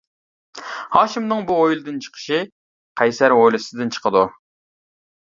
ھاشىمنىڭ بۇ ھويلىدىن چىقىشى، قەيسەر ھويلىسىدىن چىقىدۇ.